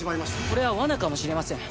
これは罠かもしれません。